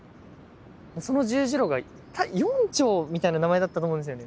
その十字路が「四丁」みたいな名前だったと思うんですよね。